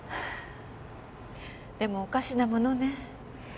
でもおかしなものね。